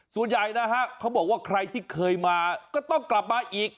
ส่วนใหญ่นะฮะเขาบอกว่าใครที่เคยมาก็ต้องกลับมาอีก